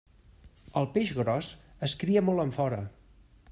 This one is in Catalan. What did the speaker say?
El peix gros es cria molt enfora.